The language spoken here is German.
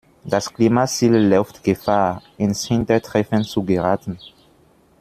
Das Klimaziel läuft Gefahr, ins Hintertreffen zu geraten.